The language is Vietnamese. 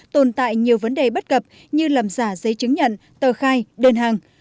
tồn tại nhiều vấn đề bất gập như lầm giả giấy chứng nhận tờ khai đơn hàng